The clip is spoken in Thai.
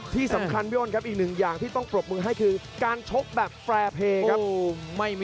ที่สำคัญพี่อ้นครับอีกหนึ่งอย่างที่ต้องปรบมือให้คือการชกแบบแปรเพย์ครับ